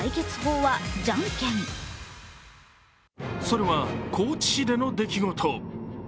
それは高知市での出来事。